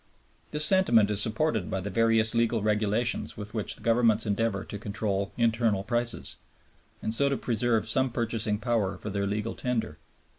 This sentiment is supported by the various legal regulations with which the Governments endeavor to control internal prices, and so to preserve some purchasing power for their legal tender.